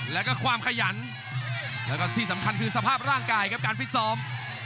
และก็ความขยันแล้วก็สิทธิสำคัญขึ้นที่สภาพร่างกายครับการฟิษสรม